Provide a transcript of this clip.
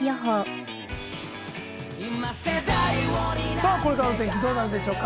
さぁこれからの天気、どうなるでしょうか？